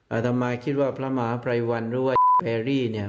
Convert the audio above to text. อาตมาคิดว่าพระมหาภัยวันหรือว่าแพรรี่เนี่ย